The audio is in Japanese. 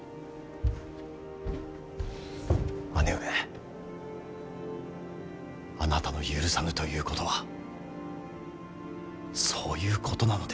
姉上あなたの許さぬということはそういうことなのです。